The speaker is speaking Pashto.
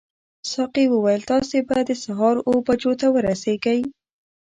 ساقي وویل تاسي به د سهار اوو بجو ته ورسیږئ.